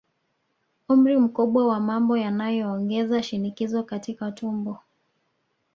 Umri mkubwa na mambo yanayoongeza shinikizo katika tumbo